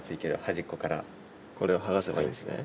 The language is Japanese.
これを剥がせばいいんですね？